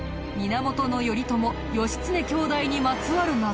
源頼朝義経兄弟にまつわる謎。